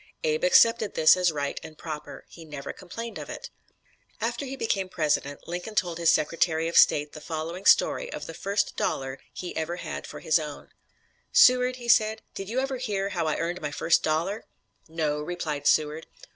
Abe accepted this as right and proper. He never complained of it. After he became President, Lincoln told his Secretary of State the following story of the first dollar he ever had for his own: "Seward," he said, "did you ever hear how I earned my first dollar?" "No," replied Seward.